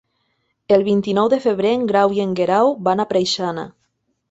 El vint-i-nou de febrer en Grau i en Guerau van a Preixana.